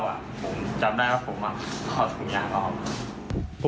ผมจำได้ว่าผมอ่ะขอถุงยางเหล้า